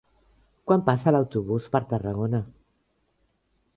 Quan passa l'autobús per Tarragona?